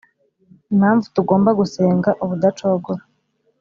impamvu tugomba gusenga ubudacogora